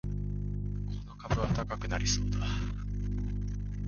この株は高くなりそうだ